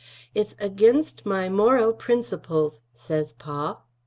Its agenst my morel prinsaples says Pa.